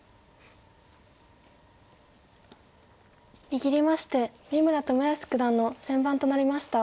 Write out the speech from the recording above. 握りまして三村智保九段の先番となりました。